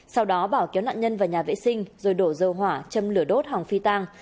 sau đó bảo kéo nạn nhân vào nhà vệ sinh rồi đổ dầu hỏa châm lửa đốt hòng phi tang